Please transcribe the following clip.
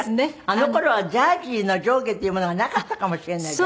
あの頃はジャージーの上下っていうものがなかったかもしれない。